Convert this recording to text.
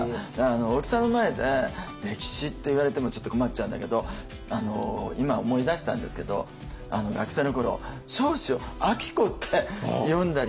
大木さんの前で歴史っていわれてもちょっと困っちゃうんだけど今思い出したんですけど学生の頃彰子を「あきこ」って読んだりとかね。